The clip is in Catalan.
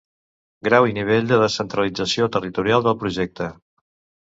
Grau i nivell de descentralització territorial del projecte.